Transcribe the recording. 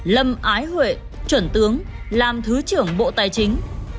lâm ái huệ chuẩn tướng làm thứ trưởng bộ tài chính